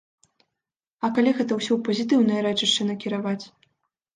А калі гэта ўсё ў пазітыўнае рэчышча накіраваць?